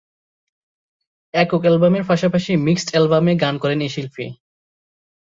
একক অ্যালবামের পাশাপাশি মিক্সড অ্যালবামে গান করেন এ শিল্পী।